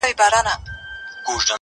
اداګانې دي مستي ده او نخرې دي